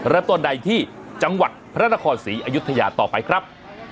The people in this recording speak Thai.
เริ่มต้นใดที่จังหวัดพระนครศรีอยุธยาต่อไปครับ